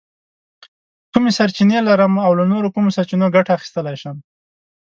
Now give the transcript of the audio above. کومې سرچینې لرم او له نورو کومو سرچینو ګټه اخیستلی شم؟